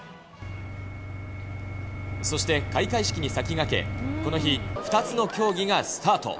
そして開会式に先駆け、この日、２つの競技がスタート。